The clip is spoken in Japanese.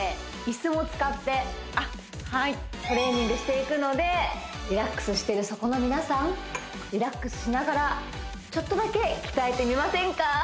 いすを使ってトレーニングしていくのでリラックスしてるそこの皆さんリラックスしながらちょっとだけ鍛えてみませんか？